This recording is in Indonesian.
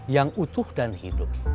yang utuh dan hidup